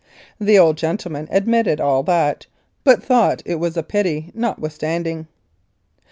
The old gentleman admitted all that, but thought it was a pity notwithstanding.